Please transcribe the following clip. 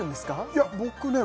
いや僕ね